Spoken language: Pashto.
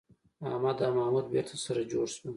احمد او محمود بېرته سره جوړ شول.